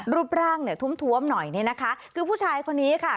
รูปร่างเนี่ยทุ้มหน่อยคือผู้ชายคนนี้ค่ะ